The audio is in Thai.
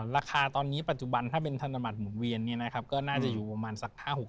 ราคาตอนนี้ปัจจุบันถ้าเป็นธนบัตรหมูเวียนเนี่ยนะครับก็น่าจะอยู่ประมาณสัก๕๖แสนบาท